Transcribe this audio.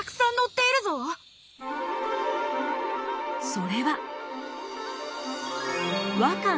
それは。